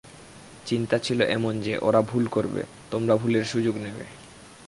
চিন্তা ছিল এমন যে, ওরা ভুল করবে, আমরা ভুলের সুযোগ নেব।